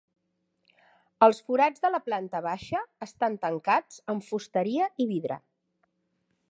Els forats de la planta baixa estan tancats amb fusteria i vidre.